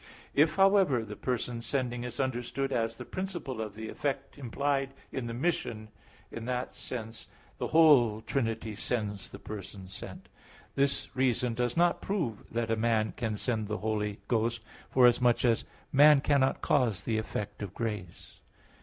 If, however, the person sending is understood as the principle of the effect implied in the mission, in that sense the whole Trinity sends the person sent. This reason does not prove that a man can send the Holy Ghost, forasmuch as man cannot cause the effect of grace.